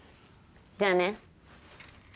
じゃあね。